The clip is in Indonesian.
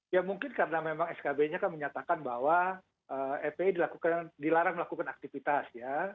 ya mungkin karena memang skb nya kan menyatakan bahwa fpi dilarang melakukan aktivitas ya